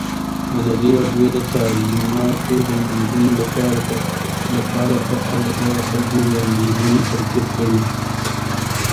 ازادي راډیو د تعلیمات د نجونو لپاره په اړه د خلکو وړاندیزونه ترتیب کړي.